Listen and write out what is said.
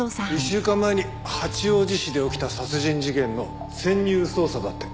１週間前に八王子市で起きた殺人事件の潜入捜査だって。